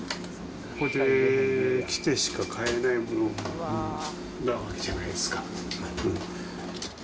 ここに来てしか買えないものじゃないですか。